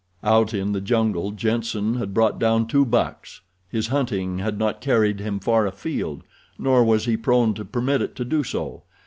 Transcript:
Out in the jungle Jenssen had brought down two bucks. His hunting had not carried him far afield, nor was he prone to permit it to do so.